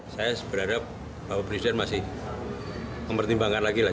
saya berharap bapak presiden masih mempertimbangkan lagi lah